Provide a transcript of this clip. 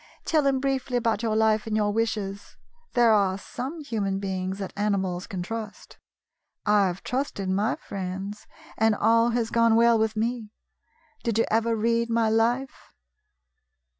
Tell him briefly about your life and your wishes. There are some human beings that animals can trust. I have trusted my friends, and all has gone well with me. Did you ever read my life